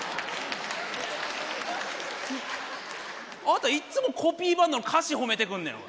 あなたいっつもコピーバンドの歌詞褒めてくんのよ。